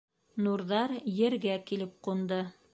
Нурҙар Ергә килеп ҡунды.